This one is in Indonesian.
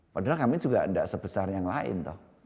padahal kami juga tidak sebesar yang lain tuh